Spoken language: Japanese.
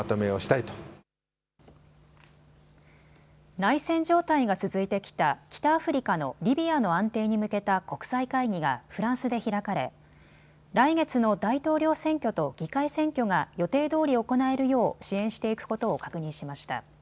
内戦状態が続いてきた北アフリカのリビアの安定に向けた国際会議がフランスで開かれ来月の大統領選挙と議会選挙が予定どおり行えるよう支援していくことを確認しました。